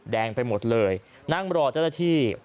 ไปหมดเลยนั่งรอเจ้าหน้าที่